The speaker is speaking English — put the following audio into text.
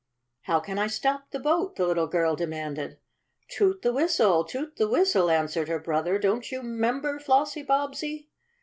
"How can I stop the boat?" the little girl demanded. "Toot the whistle! Toot the whistle!" answered her brother. "Don't you 'member, Flossie Bobbsey?"